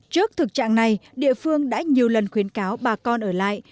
trước thực trạng này địa phương đã nhiều lần khuyến cáo bà con ở lại